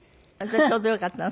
ちょうどよかったの？